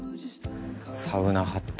サウナハット。